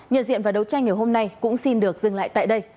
nhận diện và đấu tranh ngày hôm nay cũng xin được dừng lại tại đây